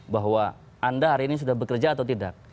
bahwa anda hari ini sudah bekerja atau tidak